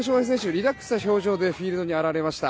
リラックスした表情でフィールドに現れました。